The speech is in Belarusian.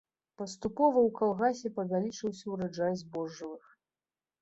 Паступова ў калгасе павялічыўся ўраджай збожжавых.